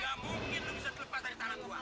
gak mungkin lu bisa terlepas dari tangan gua